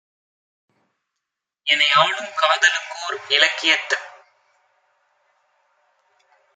எனைஆளும் காதலுக்கோர் இலக்கியத்துக்